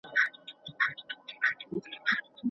ولي مدام هڅاند د ذهین سړي په پرتله ښه ځلېږي؟